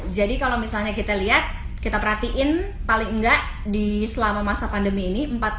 jadi kalau misalnya kita lihat kita perhatiin paling enggak di selama masa pandemi ini empat puluh lima